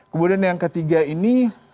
kemudian yang ketiga ini